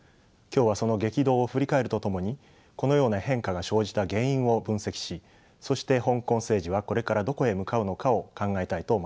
今日はその激動を振り返るとともにこのような変化が生じた原因を分析しそして香港政治はこれからどこへ向かうのかを考えたいと思います。